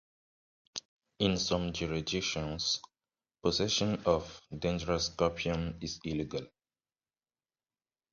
In some jurisdictions, possession of a dangerous scorpion is illegal.